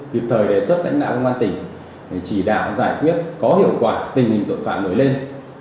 kịp thời đề xuất đánh đạo công an tỉnh để chỉ đạo giải quyết có hiệu quả tình hình tội phạm nổi lên